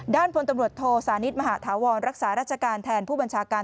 พลตำรวจโทสานิทมหาธาวรรักษาราชการแทนผู้บัญชาการ